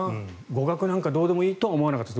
語学なんかどうでもいいと思わなかった。